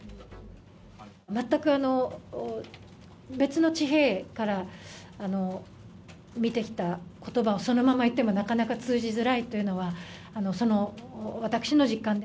全く別の地平から見てきたことばをそのまま言っても、なかなか通じづらいというのは、その私の実感。